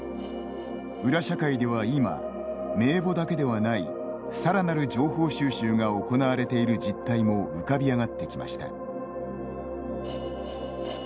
裏社会では今、名簿だけではないさらなる情報収集が行われている実態も浮かび上がってきました。